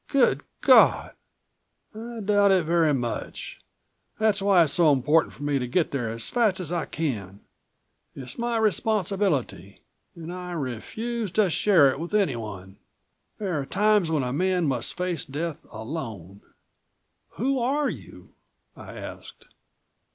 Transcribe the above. Good God " "I doubt it very much. That's why it's so important for me to get there as fast as I can. It's my responsibility and I refuse to share it with anyone. There are times when a man must face death alone." "Who are you?" I asked.